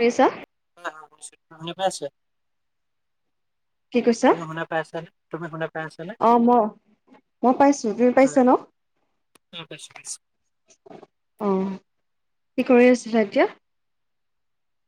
নিছ অ শুনিছো শুনি পাইছা [unintelligible] কৈছা তুমি‌ শুনা পাইছা তুমি শুনা পাইছা নে অ ম‌ও মই পাইছোঁ তুমি পাইছা ন অ পাইছো পাইছো অ কি কৰি আছা এতিয়া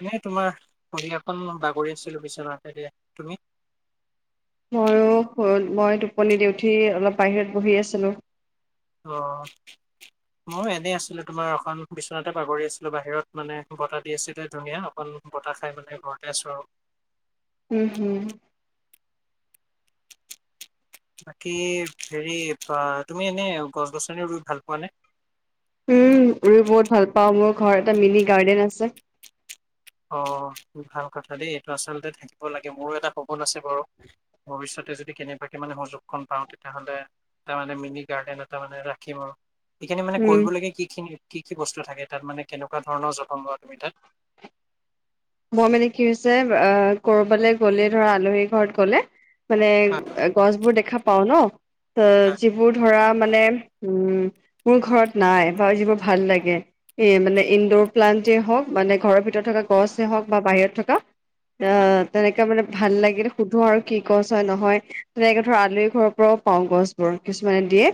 এনেই তোমাৰ সধিয়াখন বাগৰি আছিলোঁ বিশচনাতে দিয়া তুমি ময়ো মই টোপনি দি উঠি অলপ বাহিৰত বহি আছিলো অ মই এনে আছিলো তোমাৰ এখন বিছনাতে বাগৰি আছিলো বাহিৰত মানে বতাহ দি আছিলে ধুনীয়া ন অকণ বতাহ খাই মানে ঘৰতে আছো আৰু উম, হুম। বাকী হেৰি পা তুমি এনে গছ গছনি ৰুই ভাল পোৱানে? উম, ৰু বহুত ভাল পাওঁ, মোৰ ঘৰত এটা মিনি গাৰ্ডেন আছে। অ' ভাল কথা দেই, এইটো আচলতে থাকিব লাগে, মোৰো এটা সপোন আছে বাৰু। ভৱিষ্যতে যদি কেনেবাকৈ মানে সুযোগখন পাওঁ তেতিয়াহ'লে টা মানে মিনি গাৰ্ডেন এটা মানে ৰাখিম। সেইখিনি মানে উম কৰিবলগীয়া কিখিনি কি কি বস্তু থাকে তাত মানে কেনেকুৱা ধৰণৰ যতন লোৱা তুমি তাত? মই মানে কি হৈছে আ, ক'ৰবালৈ গ'লে ধৰা আলহী ঘৰত গ'লে মানে হয় গছবোৰ দেখা পাওঁ ন'। এ, হয় যিবোৰ ধৰা মানে উম মোৰ ঘৰত নাই বা যিবোৰ ভাল লাগে এ, মানে ইনডোৰ প্লানটেই হওঁক মানে ঘৰৰ ভিতৰত থকা গছ তে হওঁক বা বাহিৰত থকা আ, হয় তেনেকে মানে ভাল লাগিল সুধো আৰু কি গছ হয় নহয়, তেনেকে ধৰ আলহী ঘৰৰ পৰাও পাওঁ গছ। [unintelligible] কিছুমানে দিয়ে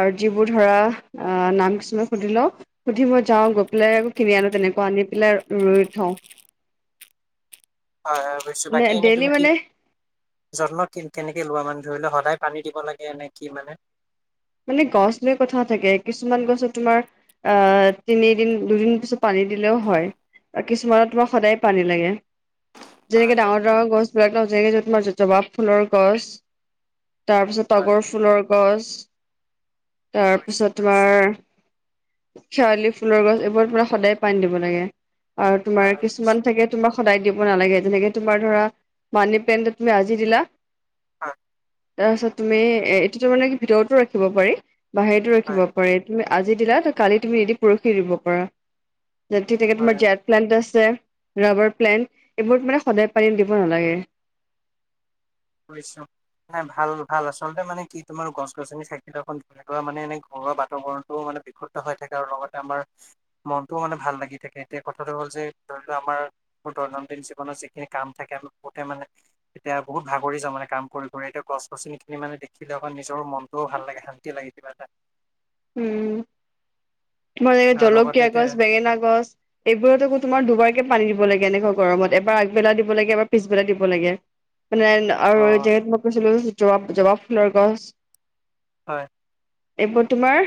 আৰু হয়। হয় যিবোৰ ধৰা আ, নাম কিছুমানে সুধি লওঁক সুধিব যাওঁ গৈ পেলাই আকৌ কিনি আনো তেনেকুৱা, আনি পেলাই ৰুই থওঁ। হয় হয় বুজিছোঁ, মানে বাকী এনেই ডেইলি তুমি কি মানে যত্ন কি-কেনেকে লোৱা মানে ধৰি লোৱা সদায় পানী দিব লাগে নে কি মানে? মানে গছ লৈ কথা থাকে, কিছুমান গছত তোমাৰ আ, তিনিদিন দুদিন পিছত পানী দিলেও হয়। কিছুমানত তোমাক সদায় পানী লাগে। হয় যেনেকে হয় ডাঙৰ ডাঙৰ গছবিলাক ন' [unintelligible] তোমাৰ জবাব ফুলৰ গছ। তাৰপিছত হয় তগৰ ফুলৰ গছ। বুজিছো তাৰপিছত তোমাৰ বুজিছো খেৱালি ফুলৰ গছ এইবোৰ তোমাৰ সদায় পানী দিব লাগে, আৰু হয় তুোমাৰ হয় বুজিছো কিছুমান থাকে তোমাক সদায় দিব নালাগে, যেনেকে তোমাৰ ধৰা মানি প্লেনটেত তুমি আজি দিলা হয়। তাৰপিছত তুমি এ, এইটো তাৰমানে কি ভিতৰতো ৰাখিব পাৰি, বাহিৰতো ৰাখিব হয় পাৰি। তুমি আজি দিলা কালি তুমি এদি পৰহি দিব পাৰা হয় [unintelligible] প্লেণ্ট আছে, ৰাবাৰ প্লেণ্ট এইবোৰত মানে সদায় পানী দিব নালাগে। বুইছোঁ। এ, ভাল ভাল, আচলতে মানে কি তোমাৰ গছ গছনি থাকিলে [unintelligible] এনেকুৱা মানে এনে ঘৰুৱা বাতাবৰণটো মানে বিশুদ্ধ হৈ থাকে আৰু লগতে আমাৰ মনটোও মানে ভাল লাগি থাকে, এতিয়া কথাটো হ'ল যে ধৰি লোৱা আমাৰ [unintelligible] দৈনন্দিন জীৱনত যিখিনি কাম থাকে আমি বহুতে মানে এতিয়া বহুত ভাগৰি যাওঁ মানে কাম কৰি কৰি। এতিয়া গছ গছনিখিনি মানে দেখিলে অকণ নিজৰো মনটোও ভাল লাগে, শান্তি লাগে কিবা এটা। উম। [unintelligible] আৰু লগতে জলকীয়া এতিয়া গছ, বেঙেনা গছ এইবোৰতো আকৌ তোমাৰ দুবাৰকৈ পানী দিব লাগে এনেকুৱা গৰমত, এবাৰ আগবেলা দিব লাগে, এবাৰ পিছবেলা দিব লাগে। মানে অ আৰুে যে তোমাক কৈছিলোঁ জব জবাব ফুলৰ গছ। হয়। এইবোৰ তোমাৰ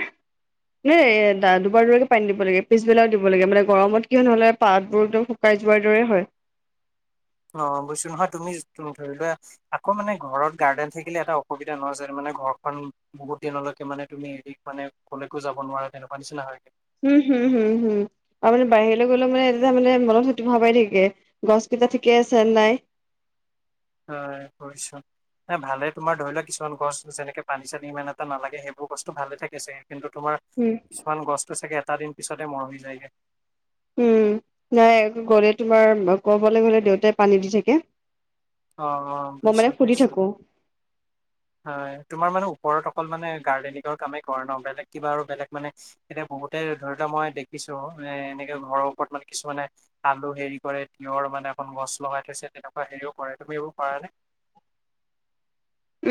নে এ, দা দুবাৰ দুবাৰকে পানী দিব লাগে, পিছবেলাও দিব লাগে মানে গৰমত কিয় নহ'লে পাতবোৰ একদম কাই যোৱাৰ দৰে হয়। অ' বুইছোঁ নহয়, তুমি [unintelligible] তুমি ধৰি লোৱা আকৌ মানে ঘৰত গাৰ্ডেন থাকিলে এটা অসুবিধা নহয় যেন মানে ঘৰখন বহুত দিনলৈকে মানে তুমি হেৰি মানে ক'লৈকো যাব নোৱাৰে তেনেকুৱা নিচিনা হয়। উম হুম হুম হুম আৰু মানে বাহিৰলৈ গলেও মানেতি ত মানে মনত সুতি ভ পাই থাকে গছ কেইটা ঠিকে আছে নাই হয় কৰিৈছা ন ভালে তোমাৰ ধৰি লোৱাক কিছুমান গছ যেনেকে পানী চানী ইমান এটা নালাগে সেইবোৰ গছটো ভালে থাকেছে কিন্তু তোমাৰ উম কিছুমান গছটো চাগে এটা দিন পিছতে মৰহ হৈ যায়গৈ উম নাই গ'লে তোমাৰ ক'বলৈ গ'লে দেউতাই পানী দি থাকে অ', অ', মই মান বুজিছোঁ ফুৰিি বুজিছোঁ। থাকো হয় তোমাৰ মানে ওপৰত অকল মানে গাৰ্ডেনিঙৰ কামেই কৰে ন বেলেগ কিবা আৰু বেলেগ মানে এতিয়া বহুতে ধৰি লোৱা মই দেখিছো এ এনেকে ঘৰৰ ওপৰত মানে কিছুমানে আলু হেৰি কৰে তিঁৰ মানে এখন গছ লগাই থৈছে তেনেকুৱা হেৰিও কৰে তুমি এইবোৰ কৰা নে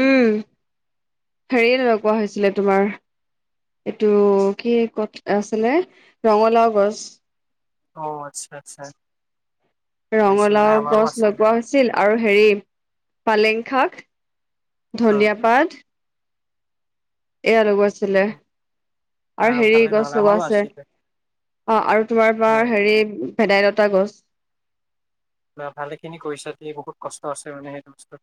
উম হেৰিয়ে ননেুৱা হৈছিলে তোমাৰ এইটো কি ক আছিলে ৰঙালাও গছ অ আচ্ছা আচ্ছা বুজিছোঁ ৰঙালাও নাই আমাৰো গছ আছিলে লগোৱা হৈছে আছিল আৰু হেৰি পালেং শাক অ'। ধনিয়া পাত এয়া লগোৱা আছিলে না আৰু হেৰি ভালে গছ নহ'লে লগোৱা আমাৰো আছে আছিলে অ আৰু তোমাৰ হয়। বাাৰ হেৰি ভেদাইলতা গছ বা ভালেখিনি কৰিছা দ বহুত কষ্ট আছে মানে সেইটো বস্তুত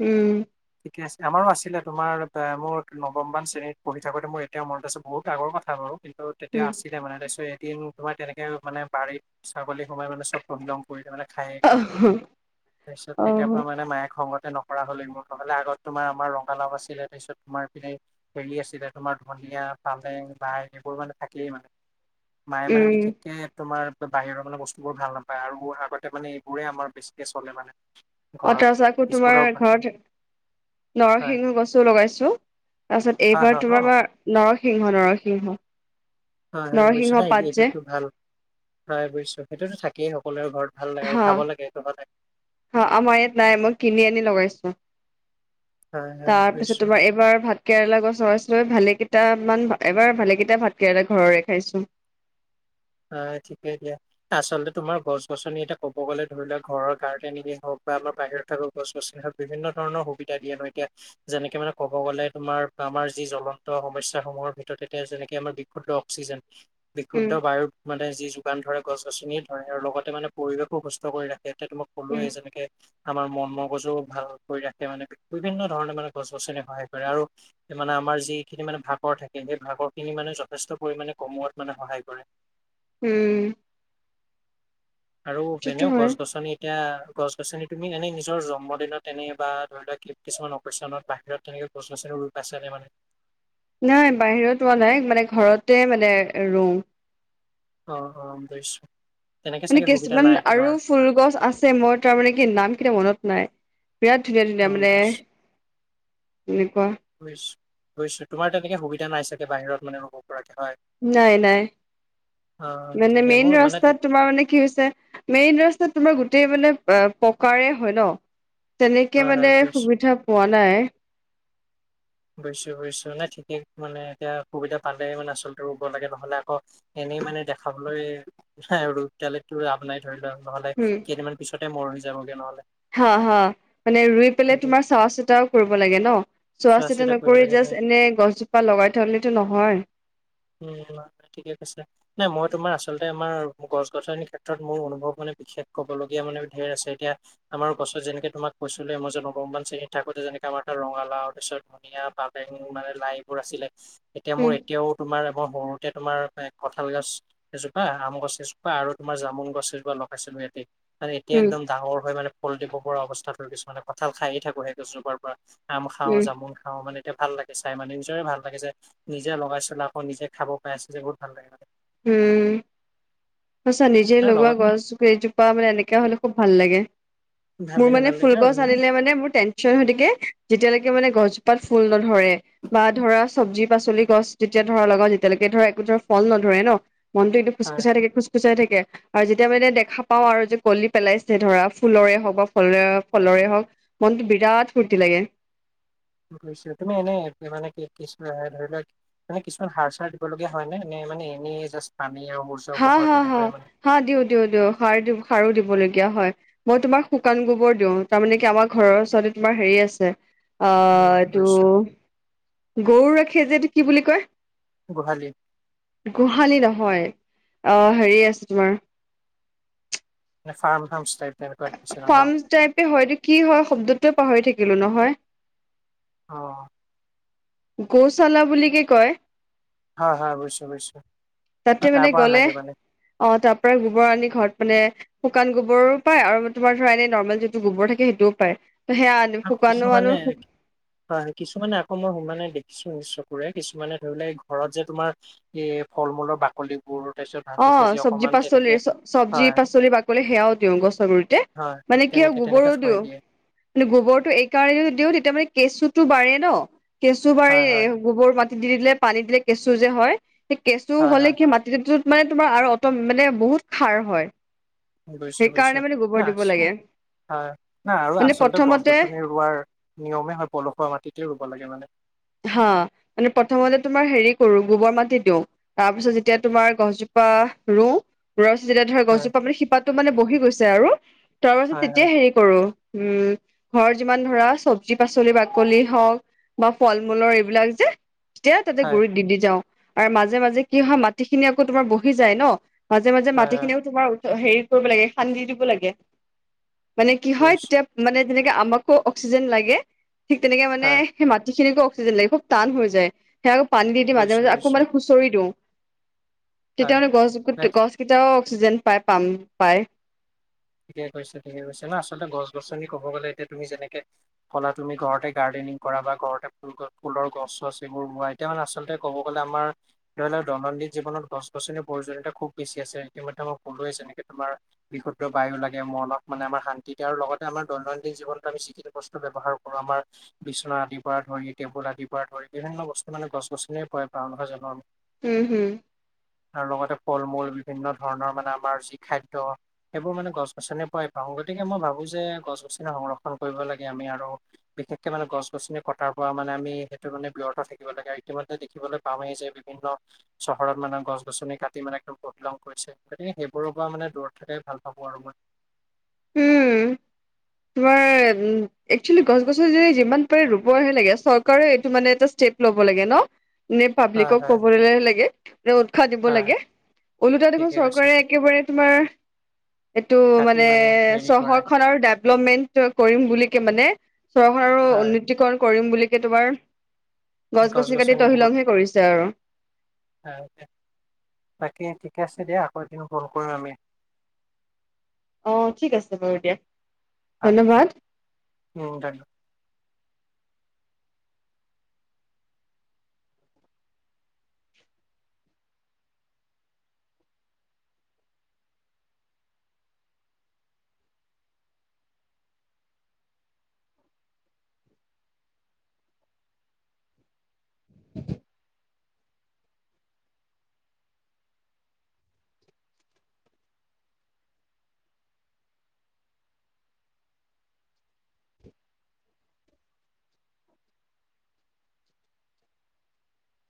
উম ঠিক আমো আছিলে তোমাৰ মোৰ নৱমবান শ্ৰেণীতঢ়ি থো মোৰ এতিয়া অম বহুত আগৰ কথা বাৰু কিন্তু তেতিয়া উম আছিলে মানে তাৰপিছত এদিন তোমাৰ তেনেকে মানে বাৰীত ছাগলী সোমাই মানে চব পহিলং কৰিলে মানে। খ অ তাৰপিছত তেতিয় পৰা মানে মায়ে খগতে নক কৰা হলে মোৰ নহ'লে আগত তোমাৰ আমাৰ ৰঙালাভ আছিলে তাৰপিছত তোমাৰ পিনে হেৰি আছিলে তোমাৰ ধনিয়া পালেং লাইন এইবোৰ মানে থাকেই মানে মায়ে মানে উম বিশেষকে তোমাৰ বাহিৰৰ মানে বস্তু বোৰ ভাল নাপায় আৰু বোৰ আগতে মানে এইবোৰেই আমাৰ বেছিকে চলে মানে অঁ ঘৰত তাৰছ আকৌ তোমাৰ স্কুলৰ পৰা ঘৰত হয় নৰসিংহ গছো লগাইছো তাৰপিছত হয় এইবাৰ হয় তোমাৰ হয় বাাৰ নৰসিংহ নৰসিংহ হয় হয় বুজিছো নৰসিংহ না পাত যে এইটোতো ভাল হয় বুজিছো সেইটোতো থাকেই সকলোৰে ঘৰত ভাল লাগে আৰু খাব লাগে চবা লাগে অ আমাৰ ইয়াত নাই মই কিনি আনি লগাইছো হয় হয় তাৰপিছত বুজিছো তোমাৰ এবাৰ ভাত কেৰেলা গছ ৰাইছিলো ভালে কেইটা মান এবাৰ ভালে কেইটা ভাত কেৰেলা ঘৰৰে খাইছো অ চিিকেতিয়া আচলতে তোমাৰ গছ গছনি এটা ক'ব গ'লে ধৰি লোৱা ঘৰৰ গাৰ্ডেনিয়ে হওক বা অলপ বাহিৰত থাকোক গছ গছনিত বিভিন্ন ধৰণৰ সুবিধা দিয় নয় এতিয়া যেনেকে মানে ক'ব গ'লে তুমাৰ বা আমাৰ যি জ্বলন্ত সমস্যয়া সমূহৰ ভিতৰতে যেনেকে আমাৰ বিশুদ্ধ অক্সিজেন [inaudible] উম, বিশুদ্ধ বায়ু মানে যি যোগান ধৰে গছ গছনি ধৰে আৰু লগতে মানে পৰিৱেশো সুস্থ কৰি ৰাখে এতিয়া তোমাক উম। সলোৱে যেনেকে আমাৰ মন মগজু ভাল কৰি ৰাখে মানে বিভিন্ন ধৰণে মানে গছ গছনি সহায় কৰে আৰু মানে আমাৰ যিখিনি মানে ভাকৰ থাকে সেই ভাকৰখিনি মানে যথেষ্ট পৰিমাণে কমোৱাত মানে সহায় কৰে উম। আৰু সেইটোতো এনেও গছ হয়। গছনি এতিয়া গছ গছনি তুমি এনেই নিজৰ জন্মদিনত এনে বা ধৰি লোৱা কিছুমান অক্কেচনত বাহিৰত তেনেকে গছ গছনি ৰুই পাইছা নে মানে? নাই বাহিৰত ৰুৱা নাই মানে ঘৰতে মানে ৰুওঁ। অঁ অঁ বুজিছোঁ তেনেকৈ মানে চাগে সুবিধা কিছুমান নাই আৰু তোমাৰ ফুল গছ আছে মই তাৰ মানে কি নাম কিতা মনত নাই। বিৰাট ধুনীয়া ধুনীয়া অ মানে বুজিছো হেনেকুৱা। বুজিছোঁ বুজিছোঁ তোমাৰ তেনেকে সুবিধা নাই চাগে বাহিৰত মানে ৰুব পৰাকে হয়? নাই নাই অ মানে ঠিকে মেইন মোৰ মানে তে- ৰাস্তাত তোমাৰ মানে কি হৈছে মেইন ৰাস্তাত তোমাৰ গোটেই মানে পকাৰে হয় ন তেনেকে হয় হয় মানে বুজিছো সুবিধা পোৱা নাই। বুজিছোঁ বুজিছোঁ নাই ঠিকেই মানে এতিয়া সুবিধা পালে মানে আচলতে ৰুব লাগে নহ'লে আকৌ এনেই মানে দেখাবলৈ আৰু এতিয়ালৈ ৰুই লাভ নাই ধৰি লোৱা নহলে উম। কেইদিনমান পিছতে মৰহি যাবগে নহ'লে। হা হা মানে ৰুই পেলাই ঠিক তোমাৰ চোৱা চিতাও কৰিব লাগে ন? চোৱা চিতা কৰিব নকৰি লাগে হয় জাষ্ট এনে গছজোপা লগাই থলেটো নহয় উম ঠিকে কৈছা। নাই মই তোমাৰ আচলতে আমাৰ গছ গছনিৰ ক্ষেত্ৰত মোৰ অনুভৱ মানে বিশেষ ক'বলগীয়া মানে ধেৰ আছে এতিয়া আমাৰ গছত যেনেকে তোমাক কৈছিলোঁৱেই মই যে নৱম শ্ৰেণীত থাকোতে যেনেকে আমাৰ তাত ৰঙালাও তাৰপিছত ধনিয়া, পালেং মানে লাই এইবোৰ আছিলে এতিয়া মোৰ উম এতিয়াও তোমাৰ এবাৰ সৰুতে তোমাৰ কঁঠাল গছ এজোপা, আম গছ এজোপা, আৰু তোমাৰ জামুন গছ এজোপা লগাইছিলো এয়াতে। মানে এতিয়া উম একদম ডাঙৰ হৈ মানে ফল দিব পৰা অৱস্থাত হ'ল। কিছুমানে কঁঠাল খায় থাকো সেই গছজোপাৰ পৰা আম খাওঁ উম জামুন খাওঁ মানে এতিয়া ভাল লাগে চাই মানে নিজৰে ভাল লাগে যে নিজে লগাইছিলো আকৌ নিজে খাব পাই আছোঁ যে বহুত ভাল লাগে মানে। উমম। সঁচা নিজে লগোৱা লগত গছজোপা মানে এনেকা হলে খুব ভাল লাগে। ভাল মোৰ লাগে মানে ভাল লাগে আৰু ফুলগছ আনিলে মানে মোৰ টেনচন হৈ থাকে যেতিয়ালৈকে মানে গছজোপাত ফুল নধৰে। বা ধৰা চব্জি পাচলি গছ যেতিয়া ধৰা লগাও যেতিয়ালৈকে ধৰা একো ধৰা ফল নধৰে ন, মনটো একদম খুচখুচাই খুচখুচাই থাকে। আৰু যেতিয়া মানে দেখা পাও আৰু যে কলি পেলাইছে ধৰা ফুলৰে হওক বা ফ ফলৰে হওক। মনটো বিৰাট ফূৰ্তি লাগে। বুজিছোঁ, তুমি এনেই মানে কি কি ধৰি লোৱা মানে কিছুমান সাৰ চাৰ দিব লগীয়া হয় নে? নে মানে এনে জাষ্ট পানী আৰু হা পোহৰ হা হা তেনেকুৱাই মানে হা দিওঁ দিওঁ দিওঁ সাৰ দি সাৰো দিবলগীয়া হয়। মই তোমাৰ শুকান গোবৰ দিওঁ, তাৰমানে কি আমাৰ ঘৰৰ ওচৰতে তোমাৰ হেৰি আছে অ আহ এইটো বুজিছো গৰু ৰাখে যে এইটো কি বুলি কয়? গোহালি। গোহালি নহয়, আহ হেৰি আছে তোমাৰ নে ফাৰ্ম হাউচ টাইপ? তেনেকুৱা নিচিনা ন ফাৰ্ম টাইপে হয় এইটো কি হয় শব্দটোয়ে পাহৰি থাকিলো নহয়। অ'। গৌছালা বুলিকে কয়। হয় হয় বুজিছো বুজিছো তাতে মানে তাৰ পৰা গ'লে আনেগে মানে অ তাৰ পৰাই গোবৰ আনি ঘৰত মানে শুকান গোবৰো পায় আৰু তোমাৰ ধৰা এনে নৰ্মেল যিটো গোবৰ থাকে সেইটোও পায় ত সেয়া আকৌ শুকানো কিছুমানে আনো হয় হয় কিছুমানে আকৌ মই হ মানে দেখিছো নিজ চকুৰে কিছুমানে ধৰি লোৱা এই ঘৰত যে তোমাৰ দিয়ে ফল-মূলৰ বাকলি অ চবজি পাচলিৰ চবজি হয় পাচলি বাকলি সেয়াও দিওঁ গছৰ গুৰিতে। হয় মানে কি হয় তেনেকে তেনেকে গোবৰো থৈ দিওঁ। দিয়ে লি গোবৰটো এই কাৰণেই দিওঁ তেতিয়া মানে কেঁচুটো বাঢ়ে ন কেঁচু হয় হয় বাঢ়ে গোবৰ মাটি দি দিলে পানী দিলে কেঁচু যে হয় সেই কেঁচু হয় হ'লে হয় কি মাটিটে টোত মানে তোমাৰ আৰু অট মানে বহুত সাৰ হয় বুজিছো বুজিছো সেইকাৰণে মানে না গোবৰ দিব লাগে হয় না আৰু মানে আচলতে প্ৰথমতে গছ-গছনি ৰোৱাৰ নিয়মেই হয় পলসুৱা মাটিতে ৰুব লাগে মানে। হা মানে প্ৰথমতে তোমাৰ হেৰি কৰো গোবৰ মাটি দিওঁ, তাৰ পিছত যেতিয়া তোমাৰ গছজোপা ৰোও পুৰঠ যেতিয়া ধৰ হয় গছজোপা মানে শিপাটো মানে বহি গৈছে আৰু তাৰ পাছত হয় তেতিয়া হয় হয় হেৰি কৰো উম ঘৰত যিমান ধৰা চবজি পাচলি বাকলি হওক ফল-মূলৰ এইবিলাক যে তেতিয়া তাতে হয় গুড়িত দি দি যাওঁ আৰু মাজে মাজে কি হয় মাটি খিনি আকৌ তোমাৰ বহি যায় ন মাজে মাজে মাটি হয় খিনিও তোমাৰ হেৰি কৰিব লাগে খান্দি দিব লাগে মানে কি হয় বুজিছো তেতিয়া মানে যেনেকে আমাকো অক্সিজেন লাগে ঠিক তেনেকে মানে হয় সে মাত- তিখিনিকো অক্সিজেন লাগিব খুব টান হৈ যায় সে আকৌ পানী দি মাজ বুজিছো মাজে আকৌ বুজিছো মানে খু- চৰি দিওঁ তেতিয়া মানে হয় গছ গছ কেইটাও অক্সিজেন পায় পাম পায় ঠিকে কৈছে ঠিকে কৈছে না আচলতে গছ-গছনি ক'ব গ'লে এতিয়া তুমি যেনেকে কলা তুমি ঘৰতে গাৰ্ডেনিং কৰা বা ঘৰতে ফুল গছ ফুলৰ গছ চছ এবোৰ মোৱাই তেতিয়া মানে আচলতে ক'ব গ'লে আমাৰ ধৰি লও দৈনন্দিন জীৱনত গছ-গছনি প্ৰয়োজনীয়তা খুব বেছি আছে ইতিমধ্যে মই কলোৱে যেনেকে তোমাৰ বিকট মুক্ত বায়ু লাগে মনত মানে আমাৰ শান্তি তাৰ আৰু লগতে আমাৰ দৈনন্দিন জীৱনত আমি যিখিনি বস্তু ব্যৱহাৰ কৰোঁ আমাৰ বিছনা আদিৰ পৰা ধৰি, টেবুল আদিৰ পৰা ধৰি বিভিন্ন বস্তু মানে গছ-গছনিৰ পৰাই পাওঁ নহয় জানো আমি উম হুম আৰু লগতে ফল-মূল বিভিন্ন ধৰণৰ মানে আমাৰ যি খাদ্য সেইবোৰ মানে গছ-গছনিৰ পৰাই পাওঁ গতিকে মই ভাবো যে গছ-গছনি সংৰক্ষণ কৰিব লাগে আমি আৰু বিশেষকে মানে গছ-গছনি কটাৰ পৰা মানে আমি সেইটো মানে ব্যৰ্থ থাকিব লাগে আৰু ইতিমধ্যে দেখিবলে পাওঁৱে যে [unintelligible] চহৰত মানে গছ-গছনি কাটি মানে একদম তহিলং কৰিছে গতিকে সেইবোৰৰ পৰা মানে দূৰত থাকে ভাল চাবো আৰু মই উম তোমাৰ তে উ একচুৱেলি গছ-গছনি যে যিমান পাৰে ৰুবহে লাগে চৰকাৰে এইটো মানে এটা ষ্টেপ লব লাগে ন। নে হয় পাব্লিকক হয় কবলে লাগে মানে উৎসাহ দিব হয় লাগে ওলোটা দেখোন ঠিকে কৈছে চৰকাৰে একেবাৰে তোমাৰ এইটো কাটি মানে হেৰি কৰে চহৰখনৰ ডেভলপমেণ্টৰ কৰিম বুলিকে মানে চহৰো হয় উন্নতিকৰণ কৰিম বুলিকে তোমাৰ গছ গছ-গছনি কাটি গছনি তহিলংহে কৰিছে আৰু। তাৰকে তাকে ঠিকে আছে দিয়া আকৌ এদিন কল কৰিম আমি। অঁ ঠিক আছে বাৰু দিয়া, হা ধন্যবাদ উম ধন্যবাদ, উ [unintelligible]